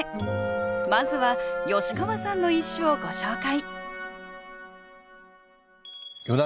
まずは吉川さんの一首をご紹介